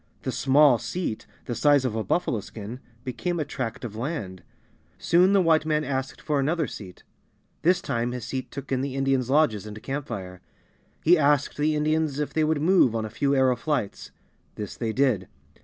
The "small seat," the size of a buffalo skin, became a tract of land. Soon the White man asked for another seat. This time his seat took in the Indians' lodges and camp fire. He asked the Indians if they would move on a few arrow flights. This they did.